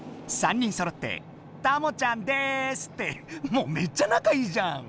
３人そろってたもちゃんですってもうめっちゃ仲いいじゃん！